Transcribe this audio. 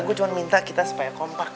gue cuma minta kita supaya kompak